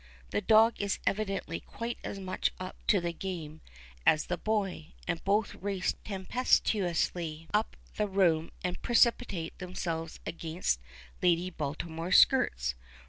The dog is evidently quite as much up to the game as the boy, and both race tempestuously up the room and precipitate themselves against Lady Baltimore's skirts.